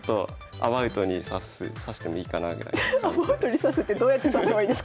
アバウトに指すってどうやって指せばいいんですか先生。